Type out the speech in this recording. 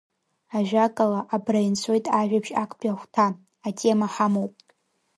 Ажәакала, абра инҵәоит ажәабжь актәи ахәҭа, атема ҳамоуп.